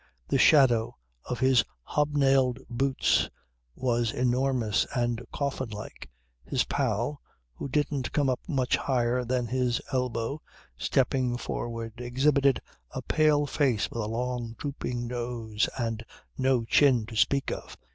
The shadow of his hobnailed boots was enormous and coffinlike. His pal, who didn't come up much higher than his elbow, stepping forward exhibited a pale face with a long drooping nose and no chin to speak of.